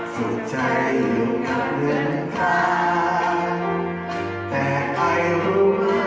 สุดใจอยู่กับเหลือนขาแต่ใครรู้เหมือนกัน